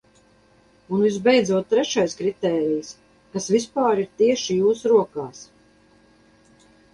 Un visbeidzot trešais kritērijs, kas vispār ir tieši jūsu rokās.